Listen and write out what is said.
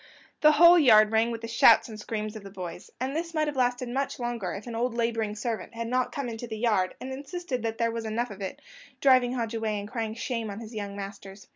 The whole yard rang with the shouts and screams of the boys; and this might have lasted much longer if an old labouring servant had not come into the yard, and insisted that there was enough of it, driving Hodge away, and crying shame on his young masters.